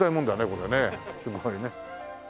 これねすごいね。